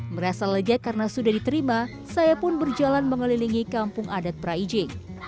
merasa lega karena sudah diterima saya pun berjalan mengelilingi kampung adat praijing